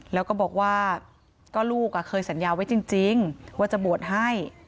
แล้วก็บอกว่าก็ลูกเคยสัญญาไว้จริงว่าจะบวชให้